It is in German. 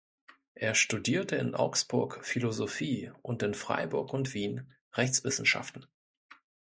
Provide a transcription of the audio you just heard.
Er studierte in Augsburg Philosophie und in Freiburg und Wien Rechtswissenschaften.